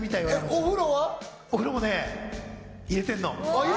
お風呂もね、入れてんの。